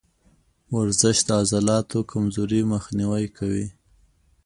ورزش د عضلاتو کمزوري مخنیوی کوي.